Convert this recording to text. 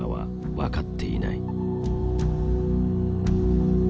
分かっていない。